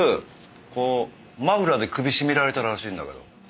こうマフラーで首絞められたらしいんだけど。